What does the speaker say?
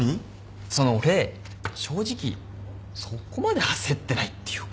その俺正直そこまで焦ってないっていうか。